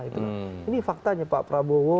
ini faktanya pak prabowo